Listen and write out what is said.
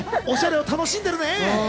おしゃれを楽しんでるね。